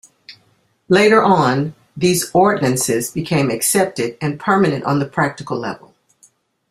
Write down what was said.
Later on, these ordinances became accepted and permanent on the practical level.